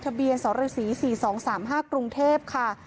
ทะเบียนสรศรี๔๒๓๕กรุงเทพค่ะ